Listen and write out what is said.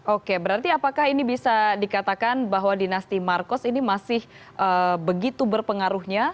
oke berarti apakah ini bisa dikatakan bahwa dinasti marcos ini masih begitu berpengaruhnya